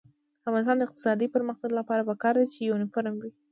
د افغانستان د اقتصادي پرمختګ لپاره پکار ده چې یونیفورم وي.